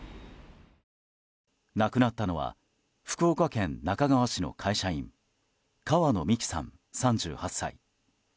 亡くなったのは福岡県那珂川市の会社員川野美樹さん、３８歳。